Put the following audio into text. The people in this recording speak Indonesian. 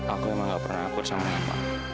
aku emang enggak pernah takut sama mama